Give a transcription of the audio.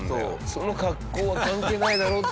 その格好は関係ないだろ。